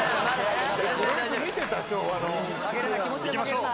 いきましょう。